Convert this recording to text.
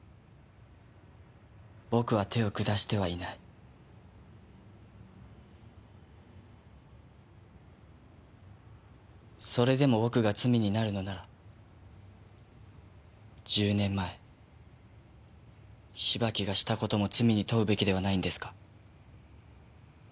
僕は手を下してはいない。それでも僕が罪になるのなら１０年前芝木がした事も罪に問うべきではないんですか？